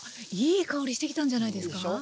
いい香りしてきたんじゃないですか？でしょ？